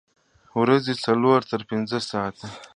ورځې څلور تر پنځه ساعته